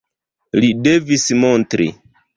Li devis montri.